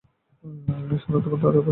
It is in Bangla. সোনা, তোমার তাড়াতাড়ি বাসায় যাওয়া উচিৎ।